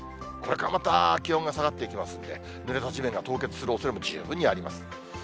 これからまた気温が下がっていきますんで、ぬれた地面が凍結するおそれも十分にあります。